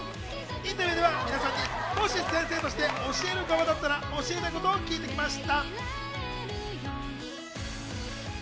インタビューでは皆さんに、もし先生として教える側だったら教えたいことを聞いてきました。